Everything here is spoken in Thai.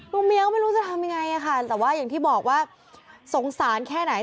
เมียก็ไม่รู้จะทำยังไงค่ะแต่ว่าอย่างที่บอกว่าสงสารแค่ไหน